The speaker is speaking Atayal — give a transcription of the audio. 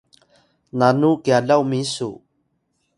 nanu kyalaw misu